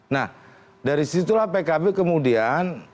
nah dari situlah pkb kemudian